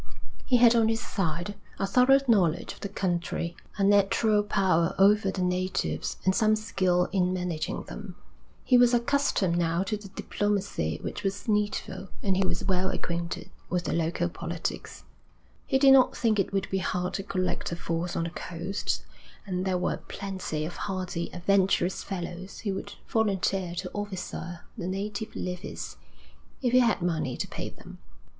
He had on his side a thorough knowledge of the country, a natural power over the natives, and some skill in managing them. He was accustomed now to the diplomacy which was needful, and he was well acquainted with the local politics. He did not think it would be hard to collect a force on the coast, and there were plenty of hardy, adventurous fellows who would volunteer to officer the native levies, if he had money to pay them.